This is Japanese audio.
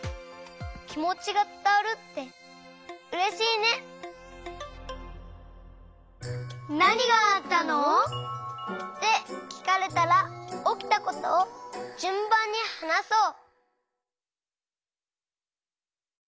きもちがつたわるってうれしいね！ってきかれたらおきたことをじゅんばんにはなそう！